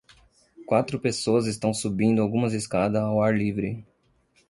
Quatro pessoas estão subindo algumas escadas ao ar livre.